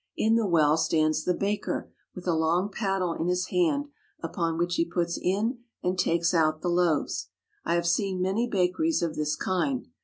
In the well stands the baker with a long paddle in his hand upon which he puts in and takes out the loaves. I have seen many bakeries of this kind.